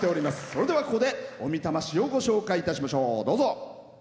それでは、ここで小美玉市をご紹介いたしましょう。